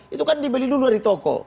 itu kan dibeli dulu dari toko